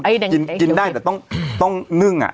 แมงคู่กินได้แต่ต้องเนื่องอ่ะ